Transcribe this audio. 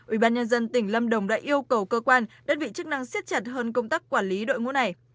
ubnd tỉnh lâm đồng đã yêu cầu cơ quan đơn vị chức năng siết chặt hơn công tác quản lý đội ngũ này